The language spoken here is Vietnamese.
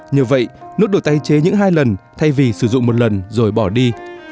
như vậy nước được tay chế những hai lần thay vì sử dụng một lần rồi bỏ đi